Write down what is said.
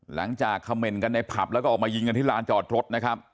คำเมนต์กันในผับแล้วก็ออกมายิงกันที่ลานจอดรถนะครับ